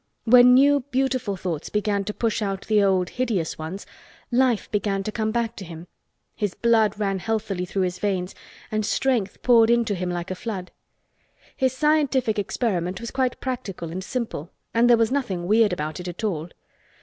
When new beautiful thoughts began to push out the old hideous ones, life began to come back to him, his blood ran healthily through his veins and strength poured into him like a flood. His scientific experiment was quite practical and simple and there was nothing weird about it at all.